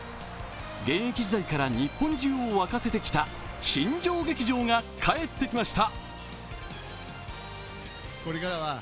現役時代から日本中を沸かせてきた、新庄劇場がかえってきました。